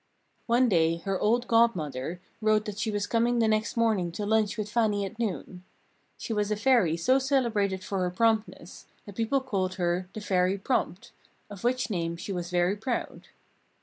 One day her old Godmother wrote that she was coming the next morning to lunch with Fannie at noon. She was a Fairy so celebrated for her promptness that people called her "the Fairy Prompt," of which name she was very proud.